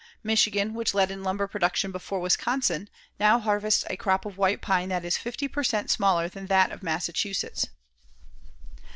Michigan, which led in lumber production before Wisconsin, now harvests a crop of white pine that is 50 per cent. smaller than that of Massachusetts.